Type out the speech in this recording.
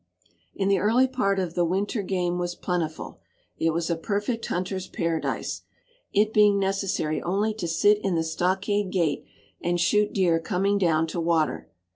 In the early part of the winter game was plentiful; it was a perfect hunter's paradise, it being necessary only to sit in the stockade gate and shoot deer coming down to water.